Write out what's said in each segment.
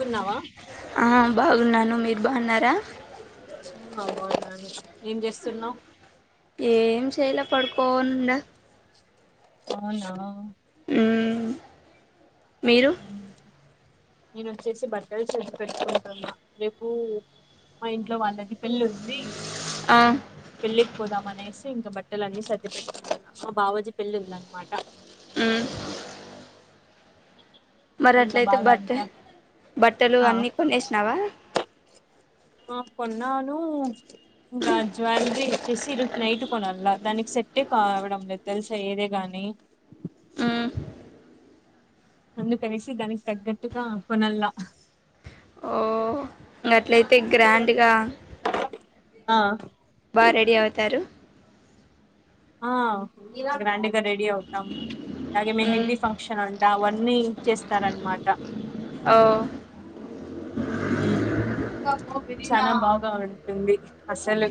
గున్నావా ఆ బాగున్నాను మీరు బాగున్నారా ఆ బాగున్నాను ఏం చేస్తున్నావ్ చేల పడుకోన్ ఉండా అవునా మ్ నేను వచ్చేసి బట్టలు సర్ది పెట్టుకుంటున్న రేపు మా ఇంట్లో వాళ్లది పెళ్లీ ఉంది ఆ పెళ్లీకి పోదాం అనేస్ ఇంక బట్టలు అన్నీ సర్ది పెట్టుకుంటున్న మా బావాజీ పెళ్లి ఉందన్న మాట మ్ మరి ఇంకా అట్లయితే బాగా అంతా బట్టల్ బట్టలు ఆ అన్నీ కొనేసినావా ఆ కొన్నాను ఇంకా జ్యువెలరీ వచ్చేసి ఈరోజు నైట్ కొనల్లా దానికి సెట్టే కావడం లేదు తెలుసా ఏదే గాని మ్ అందుకనేసి దానికి తగ్గట్టుగా కొనల్లా ఓ ఇంగా అట్లయితే గ్రాండ్గా ఆ బాగా రెడీ అవుతారు ఆ గ్రాండ్గా రెడీ అవుతాం అలాగే మ్మ్ మెహందీ ఫంక్షన్ అం అవన్నీ చేస్తారన్నమాట ఓ మ్ చానా బాగా ఉంటుంది అసలు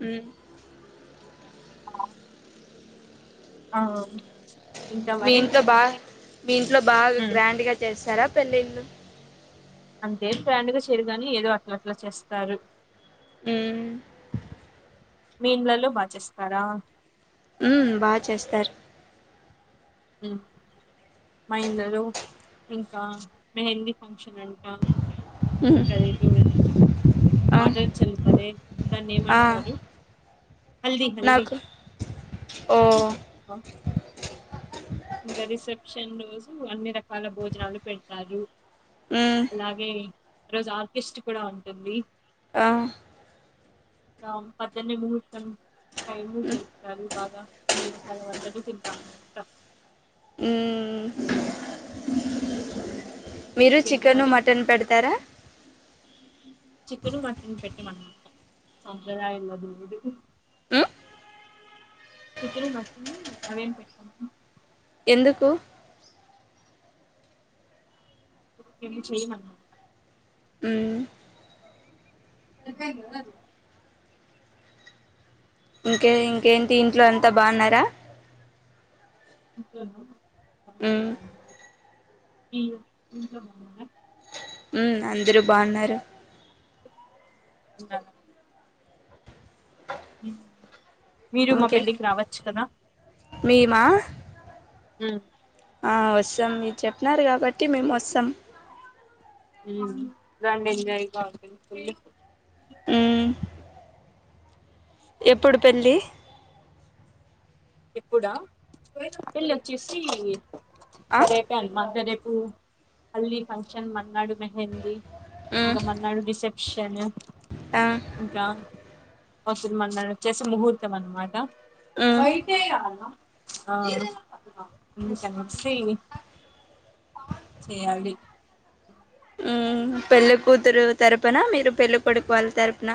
మ్ ఆ ఆ ఇంకా మీ మరి ఇంట్లో బాగా మీ ఇంట్లో బాగా ఉమ్ గ్రాండ్గా చేస్తారా పెళ్లిళ్లు అంతేం గ్రాండ్గా చేయరుగాని ఏదో అట్లట్లా చేస్తారు ఉమ్ మీ ఇండ్లలో బాచేస్తారా ఉమ్ బాగా చేస్తారు ఉమ్ మా ఇండ్లలో ఇంకా మెహందీ ఫంక్షన్ అంట మ్మ్ ఉంటది చూ ఆ వాటర్ చల్తారే దాన్ని ఆ ఏమంటారు హల్ది హల్ది నాకు ఓ ఇంగా రిసెప్షన్ రోజు అన్ని రకాల భోజనాలు పెడతారు మ్మ్ అలాగే ఈ రోజు ఆర్కెస్ట్ కూడా ఉంటుంది ఆ ఇంక పద్దని ముహూర్తం టైము మ్మ్ జరుపుతారు బాగా మీరు పలు వంటలు తింటాం ఉమ్ మీరు ఇంకేంటి చికెన్, మరి మటన్ పెడతారా చికన్ మటన్ పెట్టమండి సాంప్రదాయంలో అది లేదు మ్మ్ చికెన్, మటన్ అవేం పెట్టము ఎందుకు మేము చేయమండి ఉమ్ చెప్పాను కదండి ఇంకే ఇంకేంటి ఇంట్లో అంతా బాగున్నారా [unintelligible] మ్మ్ శ్రీ ఉంటావా మరి అందరూ బాగున్నారు ఇంగా మీరు మా ఇంకే పెళ్ళికి రావచ్చు కదా మేమా ఉ ఆ వస్తాం మీరు చెప్పినారు కాబట్టి మేము వస్తాం రండి ఎంజాయ్ గా ఉంటుంది ఫుల్లు ఉమ్ ఎప్పుడు పెళ్ళి ఎప్పుడా పెళ్ళి వచ్చేసి ఆ రేపే అనమా రేపు హల్ది ఫంక్షన్ మర్నాడు మెహందీ మ్మ్ ఇంకా మర్నాడు రిసెప్షన్ క్షణ ఆ ఇంకా అవతలి మర్నాడు వచ్చసి ముహూర్తం అన్నమాట ఆ వైటే ఆ శ్రీ చేయాలి పెళ్ళికూతురు తరపున మీరు పెళ్ళికొడుకు వాళ్ళ తరపున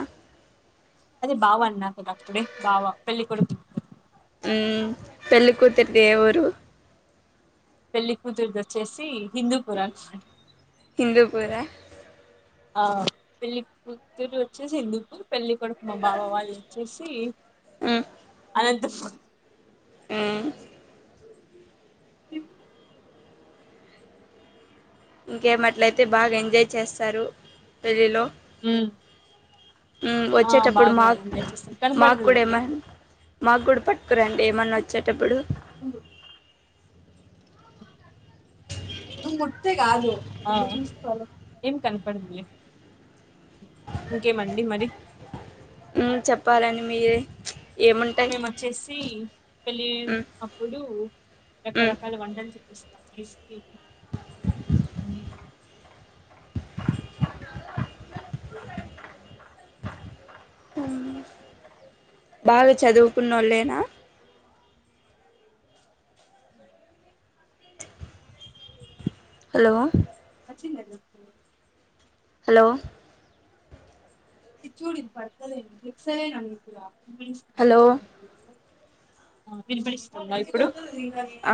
అదే బావ అన్నాక [unintelligible] బావా పెళ్ళికడుకు పెళ్లి కూతుర్ది ఏయ్ ఊరు పెళ్లి కూతురుది వచ్చేసి హిందూపుర హిందూపూరా ఆ పళ్లిపుతురు వచ్చిన హిందూపూర్ పెళ్ళ కొడుకు మా బావ వాళ్ళు వచ్చేసి మ్మ్ అనంతపూర్ ఉమ్ ఇ ఇంకేమట్లయితే బాగా ఎంజాయ్ చేస్తారు పెళ్ళిలో ఉమ్ ఆ వచ్చేటప్పుడు బాగా మాకు ఎంజాయ్ చేస్తారు మాకు కూడా కనపడదులేండి ఏమ మాకు కూడా పట్టుకురండి ఏమన్నా వచ్చేటప్పుడు నువ ముట్టతే కాదు ఏం కనిపడ ఇంకేమండి మరి చెప్పాలండి మీరే ఏముంటాయి మేము వచ్చేసి పెళ్ళి మ్మ్, అప్పుడు మ్మ్. రకరకాల వంటలు చూపిస్తాం ఐస్ క్రీమ్ బాగా చదువుకున్న వాళ్ళేనా హలో వచ్చిందా హలో చ్చూడి పడుతలే [unintelligible] హలో వినపడిస్థా మరి ఇప్పుడు ఆ,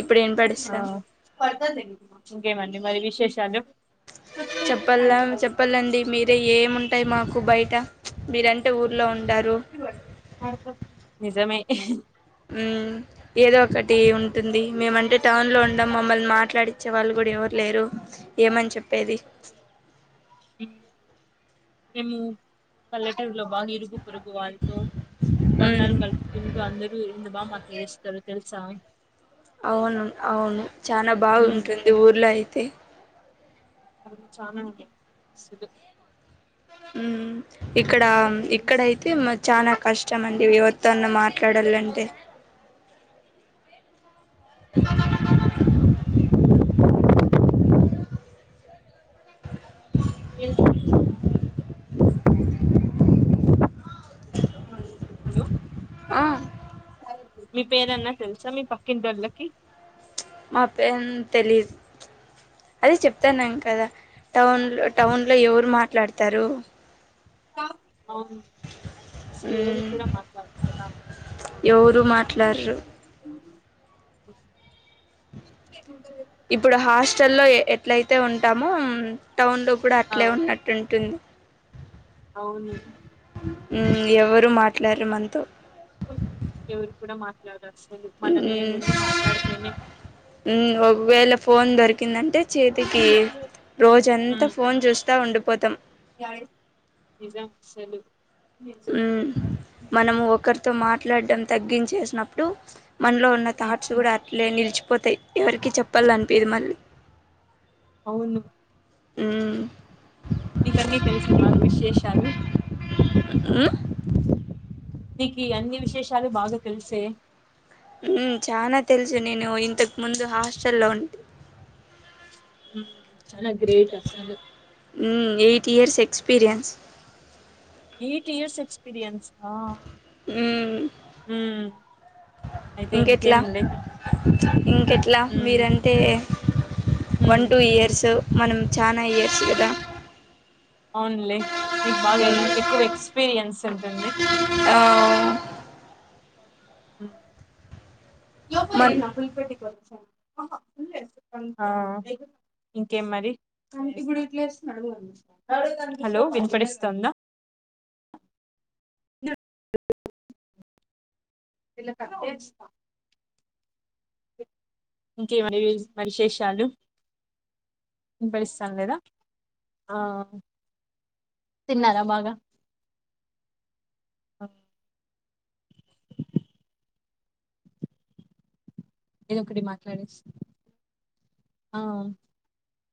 ఇప్పుడు వినపడిస్తాను ఇంకేమండి మరి విశేషాలు పడతలేదు, చెప్ప ప్యాంటే చెప్పలేండి మీరే కదా. ఏముంట ఉంటాయి మాకు బయట మీరంటే ఊర్లో ఉ నిజమే ఉ ఏదో ఒకటి ఉంటుంది మేముంటే టౌన్ లో ఉంము మమ్మల్ని మాట్లాడిచ్చే వాళ్ళు కూడా ఇప్పుడు ఎవరు లేరు ఏమని చెప్పేది మేము పల్లెటై లో బాగా ఇరుగు పొరుగు వారితో మ్మ్ బంధాలు కలుపుకుంటు అందరూ ఎంత బా మా ఎస్తారు తెలుసా అవును అవును చనా ఉమ్, బాగుంటుంది ఊళ్ళో అయితే అ చానా ఉంటాయి స్ ఉమ్ ఇక్కడ ఇక్కడయితే చానా కష్టం అండి ఎవరి తోన్న మాట్లాడాలంటే ఏ హలో ఆ సరే మీ పేరన్నా తెలుసా మీ పక్కింటోళ్ళకి మాప్పేన్ తెలిదు అదే చెప్తాను ఇంక టౌన్ లో టౌన్ లో ఎవరు మాట్లాడతారు అవును శివని మ్మ్ కూడా కూడా మాత్రదా ఎవరు మాట్లరు స్టల్లో ఎట్లయితే ఉంటామో టౌన్ లో కూడా ఆ అట్లే ఉన్నట్టుంటుంది అవును హు ఎవరు మాట్లాడరు మనతో ఎవరు కూడా మాట్లాడసల్ మనమే వెళ్ళి మాట్లాడితేనే ఒకవేళ ఫోన్ దొరికిందంటే చేతికి రోజంతా ఉమ్ ఫోన్ చూస్తా ఉండు [unintelligible] నిజం అసలు ఉ మనము ఒకరితో మాట్లాడటం తగ్గించేసినప్పుడు మనలో ఉన్న ఉమ్, థాట్స్ కూడా అట్లే నిలిచిపోతయి ఎవరికి చెప్పాల అనిపిదు మళ్ళీ ఉను ఉ మీకన్నీ తెలిసే మా విశేషాలు నీకు అన్ని విశేషాలు బాగా తెలిసే చానా తెలుసు నేను ఇంతకు ముందు హాస్టల్లో ఉంటి ఉమ్, చాలా గ్రేట్ అసలు ఉ eight years experience eight years ఎక్పీీరియన్సా మ్మ్ ఉ ఇంకెట్లా ఇంకెట్లా ఉమ్, మీరంటే ఉమ్, వన్ టూ ఇయర్స్ మనం చానా ఇయర్స్ కదా ఓన్లీ మీకు బాగ మ్మ్ ఎక్కువ ఎక్స్పీరియన్స్ ఉంటుంది ఆ లోపలే మన్ [unintelligible] ఆ ఇంకేం మరి హలో వినపడిస్తుందా పిల్ల కత్తేజ్ ఇంకేం మరి విశేషాలు వినపడిస్తాంది కదా ఆ తిన్నారా బాగా ఏదో ఒక ఒకటి మాట్లాడి స్ ఆ